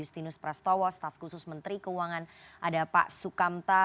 terima kasih pak